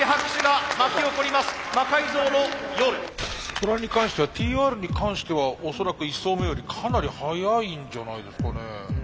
トラに関してはＴＲに関しては恐らく１走目よりかなり速いんじゃないですかね。